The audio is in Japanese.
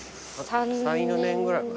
３４年ぐらい前？